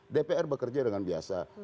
dpr bekerja dengan biasa